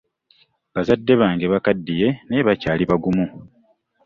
Bazadde bange bakaddiye naye bakyali bagumu.